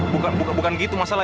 bukan bukan gitu masalah